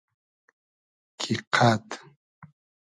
کی قئد